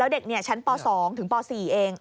เด็กชั้นป๒ถึงป๔เอง